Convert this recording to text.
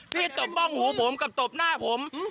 พี่ตบมองหัวผมกับตบหน้าผม